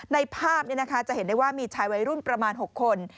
ในภาพจะเห็นได้ว่ามีชายวัยรุ่นประมาณ๖คน